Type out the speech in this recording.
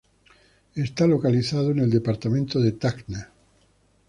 Esta localizado en el departamento de Tacna.